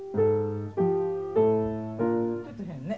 ちょっと変ね。